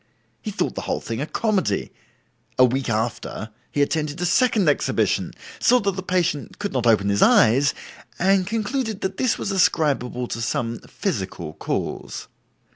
He thought the whole thing a comedy; a week after, he attended a second exhibition, saw that the patient could not open his eyes, and concluded that this was ascribable to some physical cause.